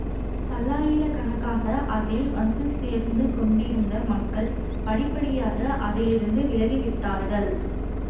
பல்லாயிரக்கணக்காக அதில் வந்து சேர்ந்து கொண்டிருந்த மக்கள் படிப்படியாக அதிலிருந்து விலகிவிட்டார்கள்.